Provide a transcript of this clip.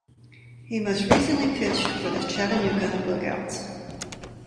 He most recently pitched for the Chattanooga Lookouts.